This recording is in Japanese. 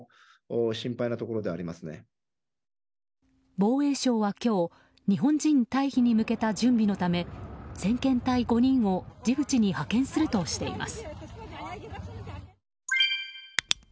防衛省は今日日本人退避に向けた準備のため先遣隊５人をジブチに派遣するとしています。